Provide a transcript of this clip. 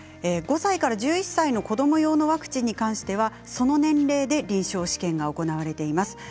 ５歳から１１歳の子ども用のワクチンに関してはその年齢で臨床試験が行われています。